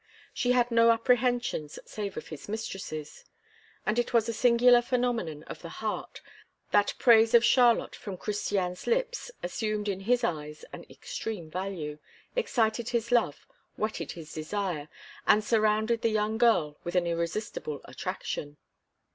She had no apprehensions save of his mistresses. And it was a singular phenomenon of the heart that praise of Charlotte from Christiane's lips assumed in his eyes an extreme value, excited his love, whetted his desire, and surrounded the young girl with an irresistible attraction.